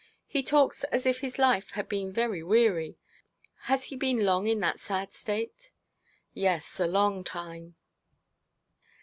He talks as if his life had been very weary. Has he been long in that sad state?' 'Yes, a long time.'